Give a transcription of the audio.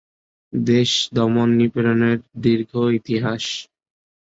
দেশ দমন নিপীড়নের দীর্ঘ ইতিহাস।